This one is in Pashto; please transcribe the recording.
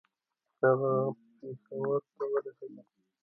هغه پېښور ته ورسېدی.